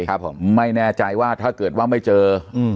ครับผมไม่แน่ใจว่าถ้าเกิดว่าไม่เจออืม